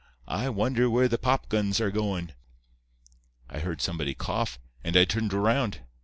I wonder where the popguns are goin'?' "I heard somebody cough, and I turned around.